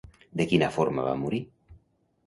De quina forma va morir?